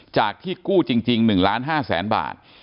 จากที่กู้จริง๑๕๐๐๐๐๐บาท